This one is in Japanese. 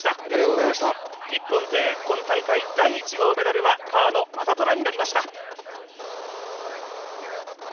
日本勢、今大会第１号メダルは川野将虎になりました。